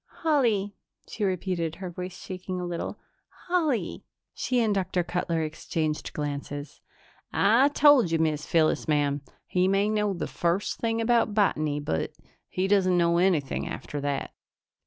"Holly," she repeated, her voice shaking a little. "Holly." She and Dr. Cutler exchanged glances. "I told you, Miz Phyllis, ma'am he may know the first thing about botany, but he doesn't know anything after that."